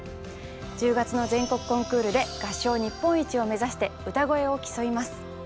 １０月の全国コンクールで合唱日本一をめざして歌声を競います。